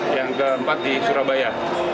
yang keempat di surabaya